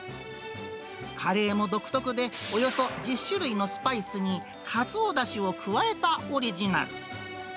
カレーも独特で、およそ１０種類のスパイスにカツオだしを加えたオリジナル。